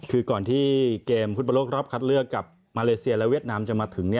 คือก่อนที่เกมฟุตบอลโลกรอบคัดเลือกกับมาเลเซียและเวียดนามจะมาถึง